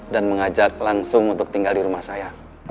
dan mengajak langsung untuk tinggal di rumah saya